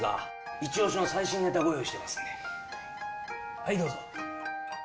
はいどうぞ。